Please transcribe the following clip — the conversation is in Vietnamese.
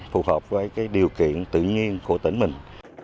phù hợp với điều kiện tự nhiên của tỉnh mình